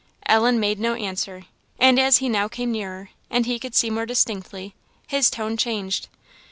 Ellen made no answer, and as he now came nearer, and he could see more distinctly, his tone changed.